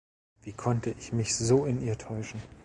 Wie konnte ich mich so in ihr täuschen?